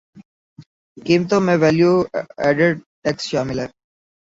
قیمتوں میں value added tax شامل ہے